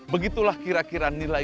begitulah kira kira nilai